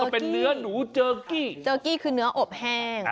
เป็นเนื้อหนูเจอกี้เจอกี้คือเนื้ออบแห้ง